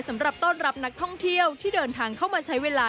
สำหรับต้อนรับนักท่องเที่ยวที่เดินทางเข้ามาใช้เวลา